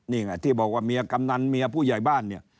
นี่ไงที่บอกว่าเมียกำนันเมียผู้ใหญ่บ้านเนี่ย